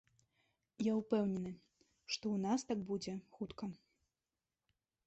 Я ўпэўнены, што ў нас так будзе хутка.